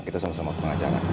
kita sama sama pengacara